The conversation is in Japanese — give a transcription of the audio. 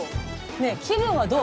ねえ気分はどう？